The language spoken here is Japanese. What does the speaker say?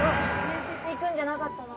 面接行くんじゃなかったの？